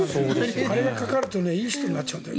あれがかかるといい人になっちゃうんだよね。